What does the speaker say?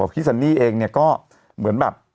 ซันนี่เองเนี่ยก็เหมือนแบบ